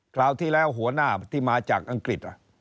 คราวที่แล้วหัวหน้าที่มาจากอังกฤษ